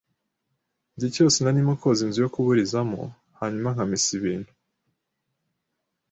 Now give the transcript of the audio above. Igihe cyose narimo koza inzu yo kuburizamo, hanyuma nkamesa ibintu